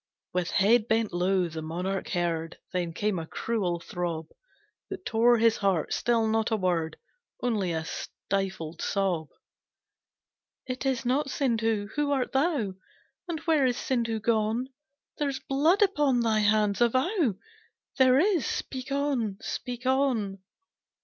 With head bent low the monarch heard, Then came a cruel throb That tore his heart, still not a word, Only a stifled sob! "It is not Sindhu who art thou? And where is Sindhu gone? There's blood upon thy hands avow!" "There is." "Speak on, speak on."